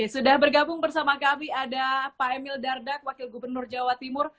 sudah bergabung bersama kami ada pak emil dardak wakil gubernur jawa timur